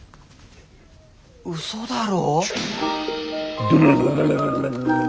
うそだろ？